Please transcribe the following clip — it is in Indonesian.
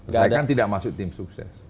saya kan tidak masuk tim sukses